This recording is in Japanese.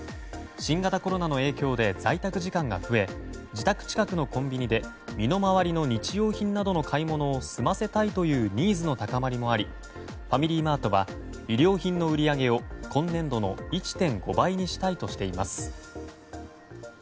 新型コロナの影響で在宅時間が増え自宅近くのコンビニで身の回りの日用品などの買い物を済ませたいというニーズの高まりもありファミリーマートは衣料品の売り上げを今年度の１．５倍にしたいとしています。